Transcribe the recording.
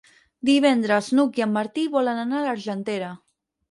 Divendres n'Hug i en Martí volen anar a l'Argentera.